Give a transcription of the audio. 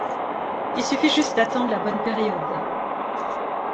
Il suffit juste d’attendre la bonne période.